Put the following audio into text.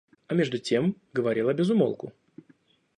А между тем говорила без умолку.